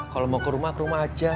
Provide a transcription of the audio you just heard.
kalau mau ke rumah ke rumah aja